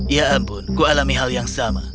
ya ampun ku alami hal yang sama